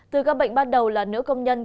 từ ca bệnh bắt đầu là nữ công nhân